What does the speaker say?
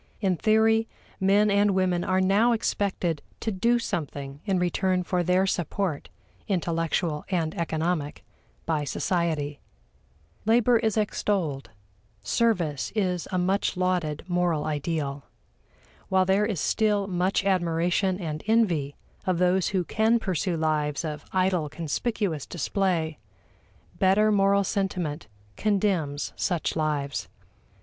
In theory, men and women are now expected to do something in return for their support intellectual and economic by society. Labor is extolled; service is a much lauded moral ideal. While there is still much admiration and envy of those who can pursue lives of idle conspicuous display, better moral sentiment condemns such lives.